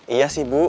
iya sih bu